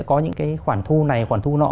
có những cái khoản thu này khoản thu nọ